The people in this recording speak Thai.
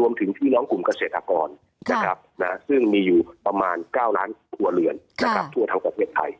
รวมถึงพี่น้องกลุ่มเกษตรกรซึ่งมีอยู่ประมาณ๙ล้านครัวเรือนทั่วทางประเทศไทย